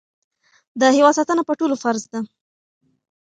د هېواد ساتنه په ټولو فرض ده.